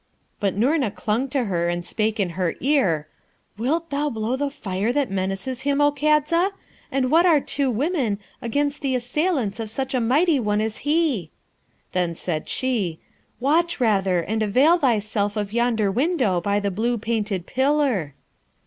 But Noorna clung to her, and spake in her ear, 'Wilt thou blow the fire that menaces him, O Kadza? and what are two women against the assailants of such a mighty one as he?' Then said she, 'Watch, rather, and avail thyself of yonder window by the blue painted pillar.'